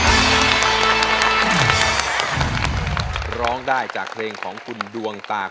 สีหน้าร้องได้หรือว่าร้องผิดครับ